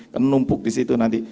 kan numpuk di situ nanti